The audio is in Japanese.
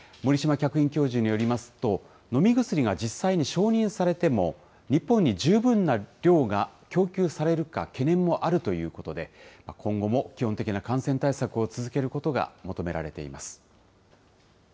客員教授によりますと、飲み薬が実際に承認されても、日本に十分な量が供給されるか懸念もあるということで、今後も基本的な感染対策を続けることが求められています。